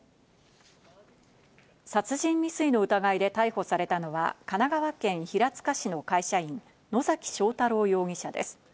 殺人未遂の疑いで逮捕されたのは、神奈川県平塚市の会社員、野嵜彰太朗容疑者です。